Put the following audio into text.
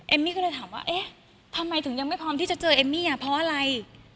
มี่ก็เลยถามว่าเอ๊ะทำไมถึงยังไม่พร้อมที่จะเจอเอมมี่อ่ะเพราะอะไร